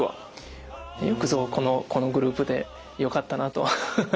よくぞこのグループでよかったなと思いました。